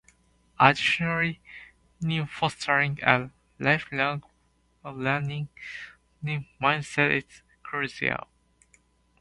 Additionally, fostering a lifelong learning mindset is crucial.